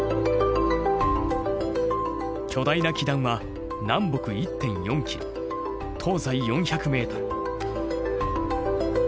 巨大な基壇は南北１．４ｋｍ東西４００ｍ。